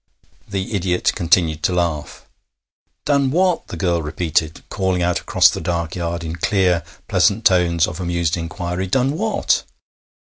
The idiot continued to laugh. 'Done what?' the girl repeated, calling out across the dark yard in clear, pleasant tones of amused inquiry. 'Done what?'